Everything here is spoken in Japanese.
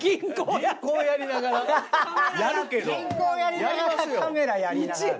銀行やりながらカメラやりながら。